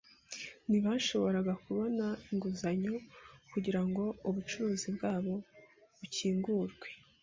Ntibashoboraga kubona inguzanyo kugirango ubucuruzi bwabo bukingurwe.